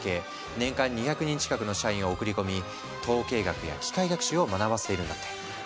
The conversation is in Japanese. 年間２００人近くの社員を送り込み統計学や機械学習を学ばせているんだって。